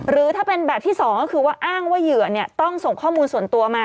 หรือถ้าเป็นแบบที่สองก็คือว่าอ้างว่าเหยื่อต้องส่งข้อมูลส่วนตัวมา